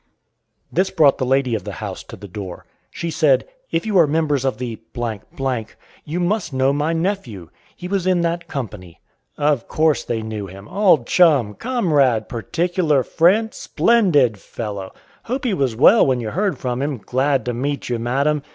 This brought the lady of the house to the door. She said, "If you are members of the , you must know my nephew; he was in that company." Of course they knew him. "Old chum," "Comrade," "Particular friend," "Splendid fellow," "Hope he was well when you heard from him. Glad to meet you, madam!"